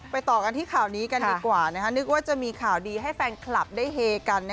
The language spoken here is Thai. ต่อกันที่ข่าวนี้กันดีกว่านึกว่าจะมีข่าวดีให้แฟนคลับได้เฮกัน